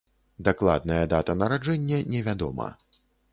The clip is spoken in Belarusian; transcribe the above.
Дакладная дата нараджэння не вядома.